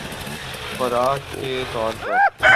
خوراک کے طور پر